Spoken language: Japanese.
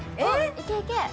いけいけ！